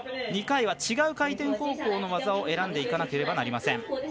２回は違う回転方向の技を選んでいかなければなりません。